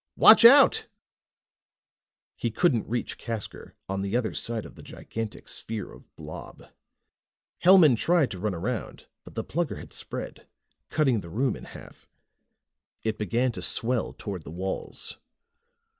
"Watch out!" He couldn't reach Casker, on the other side of the gigantic sphere of blob. Hellman tried to run around, but the Plugger had spread, cutting the room in half. It began to swell toward the walls.